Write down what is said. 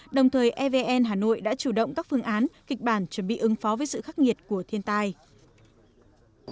đồng thời evn hà nội đã chủ động các phương án kịch bản chuẩn bị ứng phó với sự khắc nghiệt của thiên tai